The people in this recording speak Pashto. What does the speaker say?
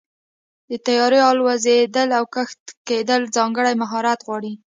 د طیارې الوزېدل او کښته کېدل ځانګړی مهارت غواړي.